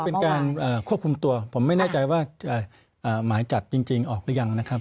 เป็นการควบคุมตัวผมไม่แน่ใจว่าหมายจับจริงออกหรือยังนะครับ